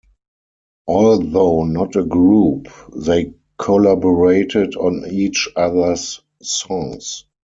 Although not a group, they collaborated on each other's songs.